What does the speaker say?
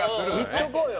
いっとこうよ。